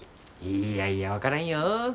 いやいや分からんよ。